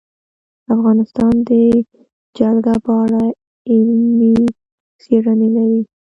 افغانستان د جلګه په اړه علمي څېړنې لري.